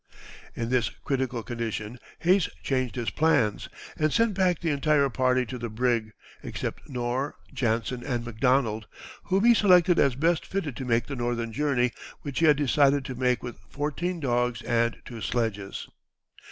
In this critical condition Hayes changed his plans, and sent back the entire party to the brig, except Knorr, Jansen, and McDonald, whom he selected as best fitted to make the northern journey, which he had decided to make with fourteen dogs and two sledges.